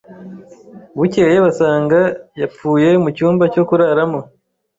Bukeye basanga yapfuye mu cyumba cyo kuraramo.